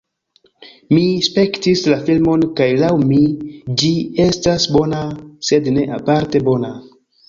Mi spektis la filmon kaj laŭ mi, ĝi estas bona sed ne aparte bona